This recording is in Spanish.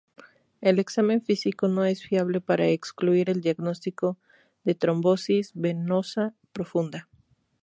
El examen físico no es fiable para excluir el diagnóstico de trombosis venosa profunda.